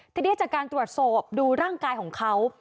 ทีนี้จากการตรวจสอบดูร่างกายของเขา